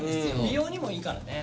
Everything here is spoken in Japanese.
美容にもいいからね。